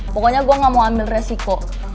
pokoknya gue gak mau ambil resiko